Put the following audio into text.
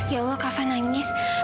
ya allah kak tovan nangis